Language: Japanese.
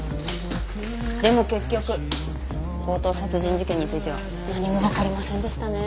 でも結局強盗殺人事件については何も分かりませんでしたね。